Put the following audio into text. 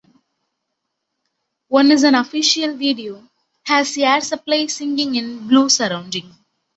One is an official video, has Air Supply singing in blue surrounding.